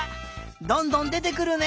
どんどんでてくるね！